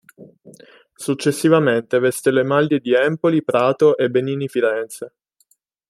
Successivamente veste le maglie di Empoli, Prato e Benini Firenze.